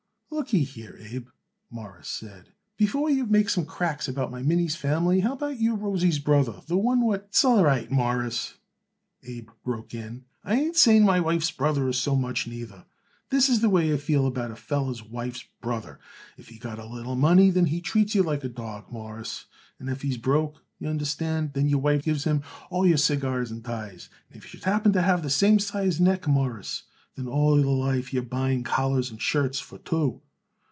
"Lookyhere, Abe," Morris said, "before you would make some cracks about my Minnie's family, how about your Rosie's brother, the one what " "S'all right, Mawruss," Abe broke in. "I ain't saying my wife's brother is so much, neither. This is the way I feel about a feller's wife's brother: If he got a little money then he treats you like a dawg, Mawruss, and if he's broke, y'understand, then your wife gives him all your cigars and ties, and if you should happen to have the same size neck, Mawruss, then all your life you are buying collars and shirts for two.